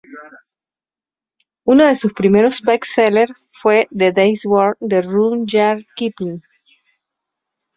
Uno de sus primeros best-sellers fue "The Day's Work" de Rudyard Kipling.